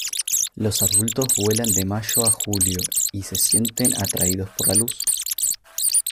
Los adultos vuelan de mayo a julio y se sienten atraídos por la luz.